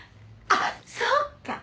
あっそっか